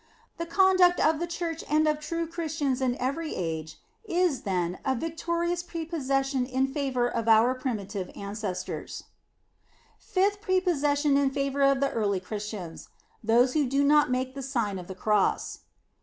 The conduct of the Church and of true Christians in every age, is, then, a victorious prepossession in favor of our primitive an cestors. In the Nineteenth Century. 53 Fifth prepossession in favor of the early Christians: Those who do not make the Sign of tJie Cross.